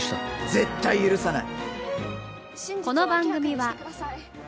絶対許さない。